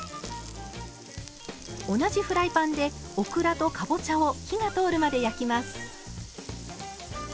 同じフライパンでオクラとかぼちゃを火が通るまで焼きます。